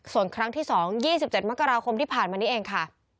ส่วนครั้งที่๒๒๗มกราคมที่ผ่านมานี้เองค่ะ